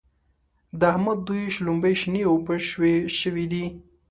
د احمد دوی شلومبې شنې اوبه شوې دي.